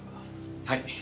はい。